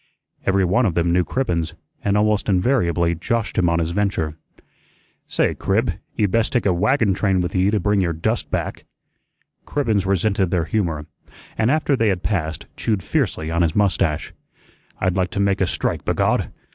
Everyone of them knew Cribbens, and almost invariably joshed him on his venture. "Say, Crib, ye'd best take a wagon train with ye to bring your dust back." Cribbens resented their humor, and after they had passed, chewed fiercely on his mustache. "I'd like to make a strike, b'God!